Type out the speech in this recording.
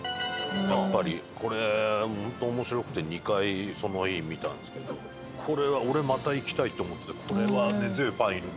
やっぱりこれ本当面白くて２回その日見たんですけどこれは俺また行きたいって思っててこれは根強いファンいる。